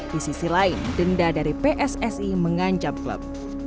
di sisi lain denda dari pssi mengancam klub